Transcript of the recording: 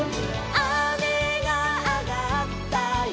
「あめがあがったよ」